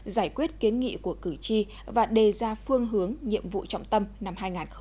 giải quyết kiến nghị của cử tri và đề ra phương hướng nhiệm vụ trọng tâm năm hai nghìn hai mươi